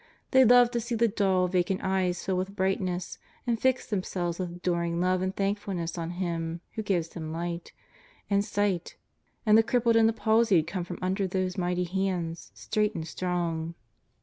They love to see the dull, vacant eyes fill with brightness and fix themselves with adoring love and thankfulness on Him who gives them light and sight, and the crippled and the palsied come from under those mighty hands straight and strong.